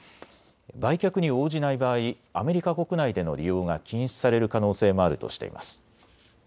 売却に応じない場合、アメリカ国内での利用が禁止される可能性もあるとしています。